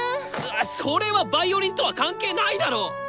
それはヴァイオリンとは関係ないだろ！